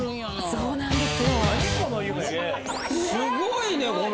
そうなんです